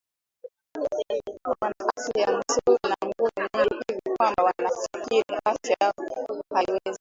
Wana afya nzuri na nguvu nyingi hivi kwamba wanafikiri afya yao haiwezi